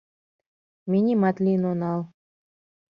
Ме нимат лийын онал.